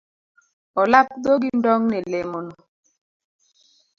Olap dhogi ndong ne lemono.